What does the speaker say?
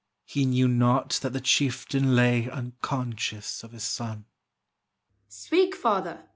He knew not that the chieftain lay Unconscious of his son. "Speak, father!"